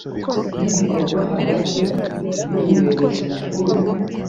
y ibikorwa hagati y umuyobozi mukuru